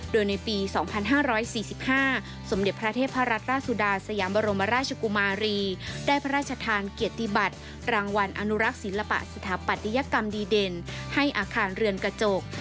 โดยในปี๒๕๔๕สมเด็จพระเทพรัตนราชสุดาสยามบรมราชกุมารีได้พระราชทานเกียรติบัตรรางวัลอนุรักษ์ศิลปะสถาปัตยกรรมดีเด่นให้อาคารเรือนกระจก